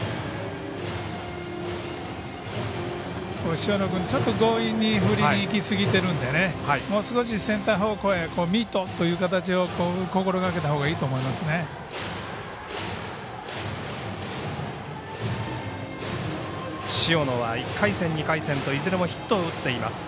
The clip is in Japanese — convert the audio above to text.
塩野君、ちょっと強引に振りにいきすぎているのでもう少しセンター方向へミートという感じを心がけたほうがいいと思いますね。